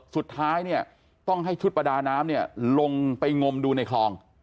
สุดท้ายต้องให้ชุดประดาน้ำลงไปงมดูในคลอง